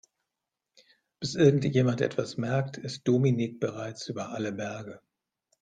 Bis irgendjemand etwas merkt, ist Dominik bereits über alle Berge.